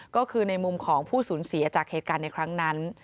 ก็คือในมุมของผู้สูญเสียจากเหตุการณ์ในครั้งนั้น